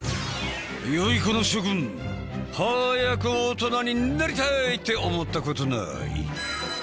よい子の諸君早く大人になりたいって思ったことない？